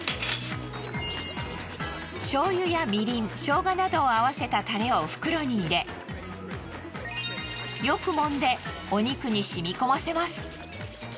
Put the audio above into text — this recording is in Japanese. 醤油やみりんしょうがなどを合わせたタレを袋に入れよく揉んでお肉に染み込ませます。